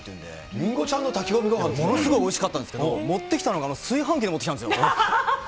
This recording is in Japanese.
りんごちゃんの炊き込みごはものすごいおいしかったんですけど、炊飯器で持ってきたんですよ。